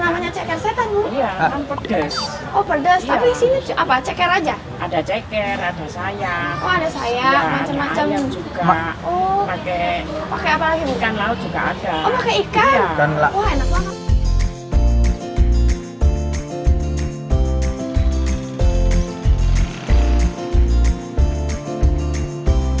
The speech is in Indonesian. isinya itu ceker setan pedes itu pakai bumbu pedes kuah merah